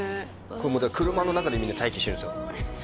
これもう車の中でみんな待機してるんですよ